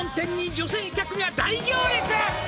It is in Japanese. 「女性客が大行列！」